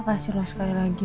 makasih lho sekali lagi